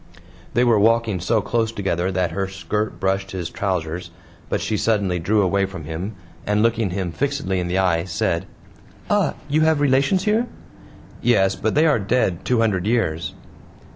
They were walking so close together that her skirt brushed his trousers, but she suddenly drew away from him, and looking him fixedly in the eye said: "Ah, you have relations here?" "Yes, but they are dead two hundred years."